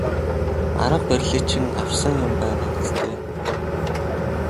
Арга барилыг чинь авсан юм байгаа биз дээ.